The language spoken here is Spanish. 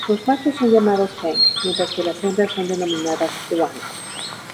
Los machos son llamados feng, mientras que las hembras son denominadas huang.